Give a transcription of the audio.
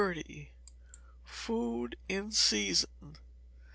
30. Food in Season.